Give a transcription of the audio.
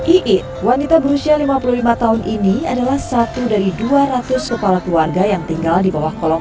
iit wanita berusia lima puluh lima tahun ini adalah satu dari dua ratus kepala keluarga yang tinggal di bawah kolong